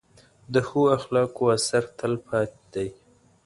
د ښو اخلاقو اثر تل پاتې دی.